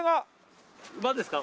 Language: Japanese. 馬ですか？